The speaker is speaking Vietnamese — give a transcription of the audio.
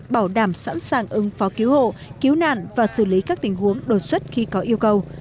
bảo đảm sẵn sàng ứng phó cứu hộ cứu nạn và xử lý các tình huống đột xuất khi có yêu cầu